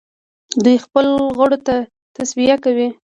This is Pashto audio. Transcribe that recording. دوی خپلو غړو ته توصیه کوي.